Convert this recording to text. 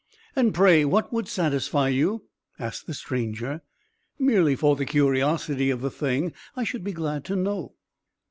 "And pray what would satisfy you?" asked the stranger. "Merely for the curiosity of the thing, I should be glad to know."